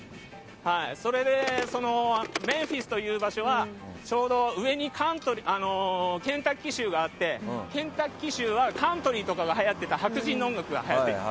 メンフィスという場所はちょうど上にケンタッキー州があってケンタッキー州はカントリーとかの白人の音楽がはやっていた。